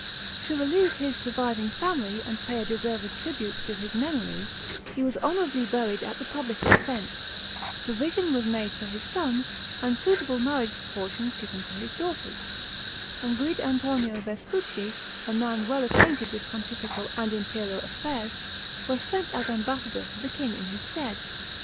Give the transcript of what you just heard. To relieve his surviving family and pay a deserved tribute to his memory, he was honorably buried at the public expense, provision was made for his sons, and suitable marriage portions given to his daughters, and Guid' Antonio Vespucci, a man well acquainted with pontifical and imperial affairs, was sent as ambassador to the king in his stead.